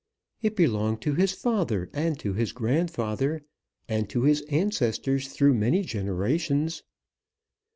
It belonged to his father and to his grandfather, and to his ancestors through many generations.